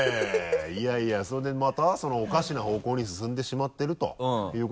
いやいやそれでまたおかしな方向に進んでしまっているということですけど。